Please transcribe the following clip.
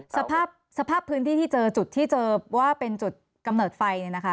สภาพสภาพพื้นที่ที่เจอจุดที่เจอว่าเป็นจุดกำเนิดไฟเนี่ยนะคะ